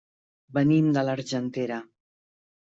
Venim de l'Argentera.